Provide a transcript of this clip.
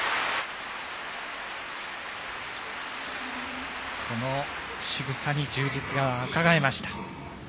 最後のしぐさに充実がうかがえました。